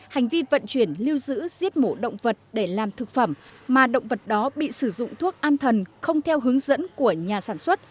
hành vi vận chuyển lưu giữ giết mổ động vật để làm thực phẩm mà động vật đó bị sử dụng thuốc an thần không theo hướng dẫn của nhà sản xuất